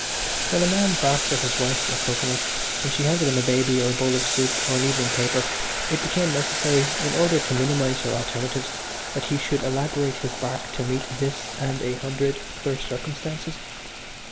When a man barked at his wife for a cocoanut and she handed him a baby or a bowl of soup or an evening paper it became necessary, in order to minimise her alternatives, that he should elaborate his bark to meet this and an hundred other circumstances.